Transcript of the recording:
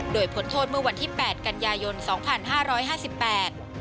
โดยผลโทษเมื่อวันที่แปดกันยายนสองพันห้าร้อยห้าสิบแปด